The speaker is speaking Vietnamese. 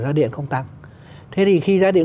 giá điện không tăng thế thì khi giá điện